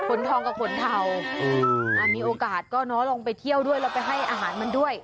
ทองกับขนเทามีโอกาสก็น้อยลองไปเที่ยวด้วยแล้วไปให้อาหารมันด้วย